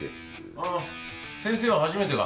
ああ先生は初めてか。